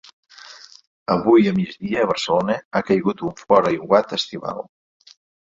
Avui a migdia a Barcelona ha caigut un fort aiguat estival.